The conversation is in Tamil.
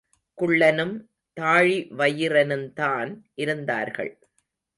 குள்ளனும் தாழிவயிறனுந்தான் இருந்தார்கள்.